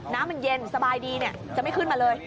น้ำมันเย็นสบายดีจะไม่ขึ้นมาเลย